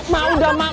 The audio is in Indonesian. mak udah mak